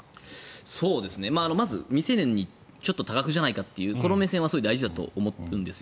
まず未成年にちょっと多額じゃないかという目線は大事だと思います。